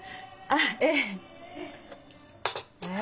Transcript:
あっええ。